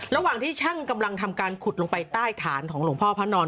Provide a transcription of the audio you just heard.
ระหว่างที่ช่างกำลังทำการขุดลงไปใต้ฐานของหลวงพ่อพระนอน